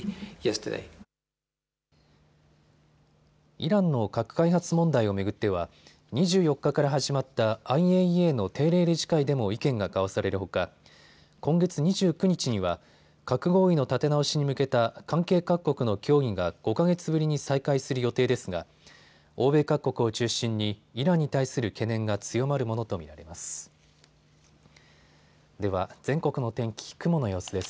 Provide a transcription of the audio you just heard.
イランの核開発問題を巡っては２４日から始まったＩＡＥＡの定例理事会でも意見が交わされるほか、今月２９日には核合意の立て直しに向けた関係各国の協議が５か月ぶりに再開する予定ですが欧米各国を中心にイランに対する懸念が強まるものと見られます。